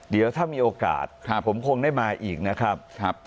เดี๋ยวถ้ามีโอกาสผมคงได้มาอีกนะครับ